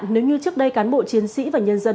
nếu như trước đây cán bộ chiến sĩ và nhân dân